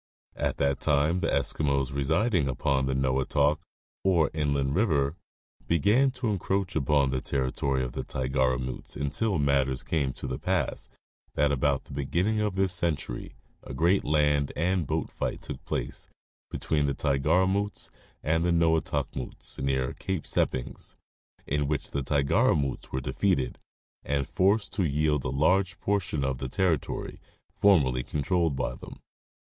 At that time the Eskimos residing upon the Noatok, or Inland river, began to encroach upon the territory of the Tigaramutes until matters came to the pass that about the beginning of this century a great land and boat fight took place between the Tigaramutes and the Noatokmutes near Cape Seppings, in which the Tigaramutes were defeated and forced to yield a large portion of the territory formerly controlled by them.